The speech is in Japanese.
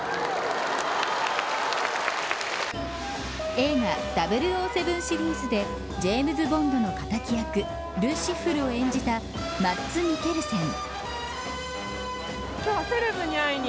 映画００７シリーズでジェームズ・ボンドの敵役ル・シッフルを演じたマッツ・ミケルセン。